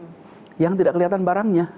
tapi itu tidak kelihatan barangnya